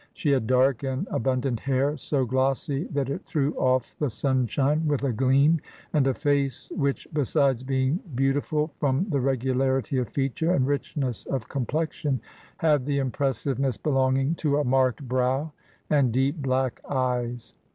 She had dark and abimdant hair, so glossy that it threw off the sunshine with a gleam, and a face which, besides being beautifid from the regularity of feature and richness of complexion, had the impres siveness belonging to a marked brow and deep black eyes.